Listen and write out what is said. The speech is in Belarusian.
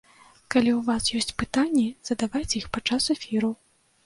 Калі ў вас ёсць пытанні, задавайце іх падчас эфіру!